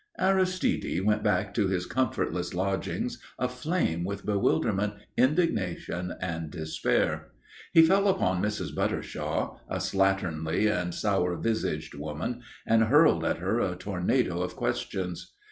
Aristide went back to his comfortless lodgings aflame with bewilderment, indignation and despair. He fell upon Mrs. Buttershaw, a slatternly and sour visaged woman, and hurled at her a tornado of questions.